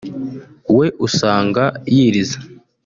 we usanga yiriza